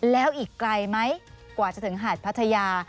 แล้วอีกไกลไหมกว่าจะถึงหาดพัทยา